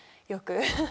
よく。